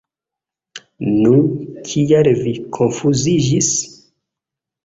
Nu, kial vi konfuziĝis?